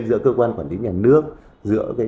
giữa cơ quan quản lý nhà nước giữa